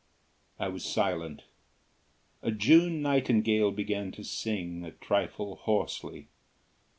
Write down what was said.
I was silent. A June nightingale began to sing, a trifle hoarsely.